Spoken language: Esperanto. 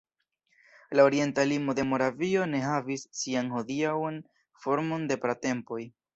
La orienta limo de Moravio ne havis sian hodiaŭan formon de pratempoj.